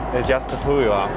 mengatur keadaan anda